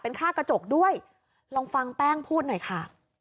ค่ากระจกด้วยลองฟังแป้งพูดหน่อยค่ะ